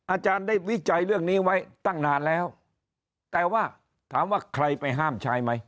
อาจารย์ได้วิจัยเรื่องนี้ไว้ตั้งนานแล้วแต่ว่าถามว่าใครไปห้ามใช้ไหม